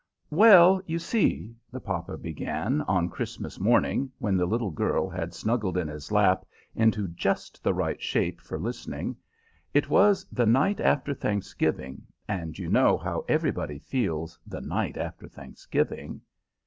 "Well, you see," the papa began, on Christmas morning, when the little girl had snuggled in his lap into just the right shape for listening, "it was the night after Thanksgiving, and you know how everybody feels the night after Thanksgiving."